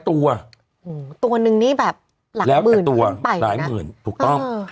ตัวนึงนี้แบบแล้วแต่ตัวหลายหมื่นถูกต้อง